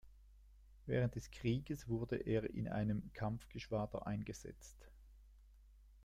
Während des Krieges wurde er in einem Kampfgeschwader eingesetzt.